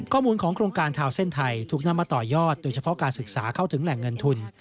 ข้อมูลของโครงการทาวเส้นไทยถูกนำมาต่อยอดโดยเฉพาะการศึกษาเข้าถึงแหล่งเงินทุน